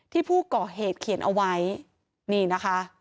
ที่ผู้ก่อเหตุเขียนเอาไว้นี่นะคะ